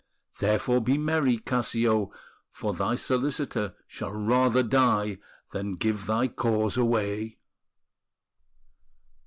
Therefore, be merry, Cassio, For thy solicitor shall rather die Than give thy cause away!"